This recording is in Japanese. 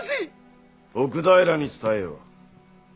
奥平に伝えよ。